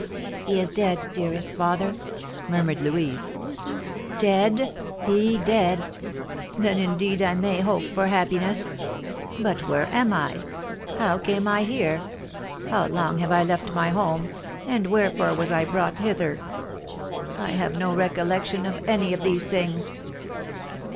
"He is dead, dearest father," murmured Louise. "Dead? He dead? Then indeed I may hope for happiness! But where am I? How came I here? How long have I left my home, and wherefore was I brought hither? I have no recollection of any of these things!"